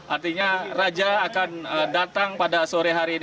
artinya raja akan datang pada sore hari ini